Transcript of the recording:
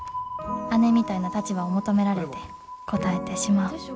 姉みたいな立場を求められて応えてしまう。